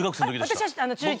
私は中１。